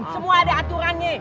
semua ada aturannya